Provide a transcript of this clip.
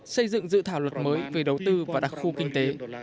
xây dựng dự thảo luật mới về đầu tư và đặc khu kinh tế